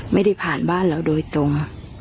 ไม่ได้ผ่านบ้านเราโดยตรง